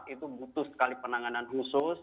itu butuh sekali penanganan khusus